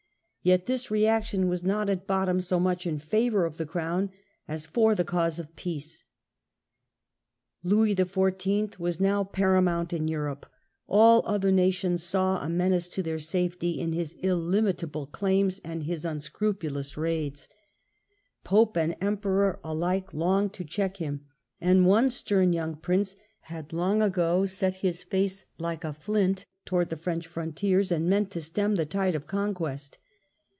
Yet this reaction was not at bottom so much in favour of the crown as for the cause of peace. Louis XIV. was now paramount in Europe; all other nations saw a menace to their safety in his illimitable claims and his unscrupulous raids. Pope and Emperor alike longed to check him. And one stem young Prince had long ago set his face like a flint towards the French frontiers, and meant to stem the tide of conquest.